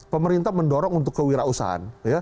pemerintah mendorong untuk kewirausahaan